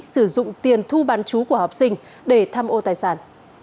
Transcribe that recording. sử dụng tiền thu bán chú của học sinh để tham ô tài sản